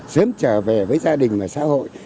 sớm trở về với gia đình và xã hội